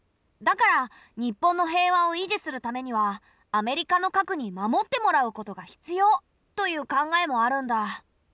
だから日本の平和を維持するためにはアメリカの核に守ってもらうことが必要という考えもあるんだ。